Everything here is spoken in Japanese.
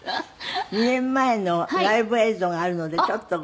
２年前のライブ映像があるのでちょっとご覧ください。